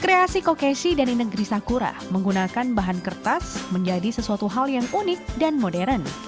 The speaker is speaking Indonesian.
kreasi kokeshi dari negeri sakura menggunakan bahan kertas menjadi sesuatu hal yang unik dan modern